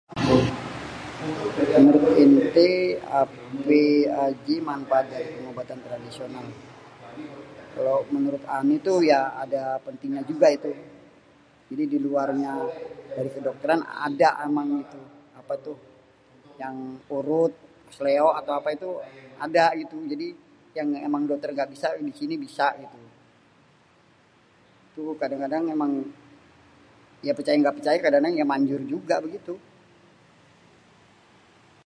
"""Menurut enté apé ajé manfaat dari pengobatan tradisional?"", kalau menurut ané tuh ya ada pentingnya juga itu ya, jadi diluarnya kedokteran ada emang ada tuh, apa tuh, yang urut keseleo atau apa tuh ada. Jadi yang emang dokter gak bisa disini bisa gitu. Tuh, kadang-kadang emang ya percaya gak percaya kadang, ya manjur juga begitu. "